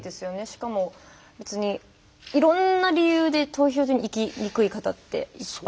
しかもいろんな理由で投票所に行きにくい方っていっぱいいて。